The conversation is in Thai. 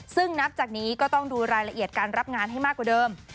ซึ่งนับจากนี้ก็ต้องดูรายละเอียดการรับงานให้มากกว่าเดิม